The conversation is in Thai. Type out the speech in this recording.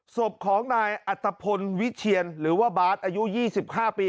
ศพของนายอัตภพลวิเชียนหรือว่าบาร์ดอายุ๒๕ปี